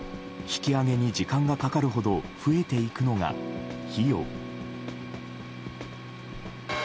引き揚げに時間がかかるほど増えていくのが、費用。